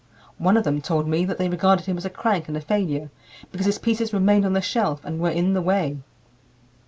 One of them told me that they regarded him as a crank and a failure because his pieces remained on the shelf and were in the way.